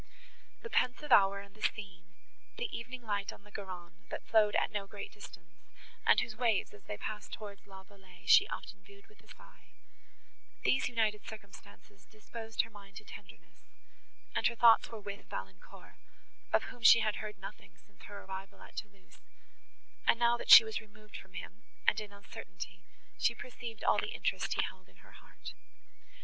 The pensive hour and the scene, the evening light on the Garonne, that flowed at no great distance, and whose waves, as they passed towards La Vallée, she often viewed with a sigh—these united circumstances disposed her mind to tenderness, and her thoughts were with Valancourt, of whom she had heard nothing since her arrival at Thoulouse, and now that she was removed from him, and in uncertainty, she perceived all the interest he held in her heart.